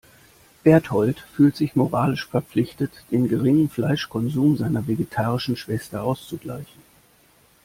Bertold fühlt sich moralisch verpflichtet, den geringen Fleischkonsum seiner vegetarischen Schwester auszugleichen.